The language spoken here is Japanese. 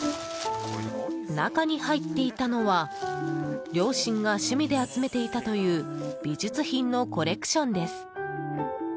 中に入っていたのは両親が趣味で集めていたという美術品のコレクションです。